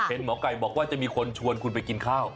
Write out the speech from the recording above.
หมอไก่บอกว่าจะมีคนชวนคุณไปกินข้าว